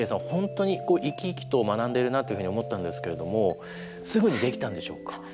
ほんとに生き生きと学んでるなというふうに思ったんですけれどもすぐにできたんでしょうか？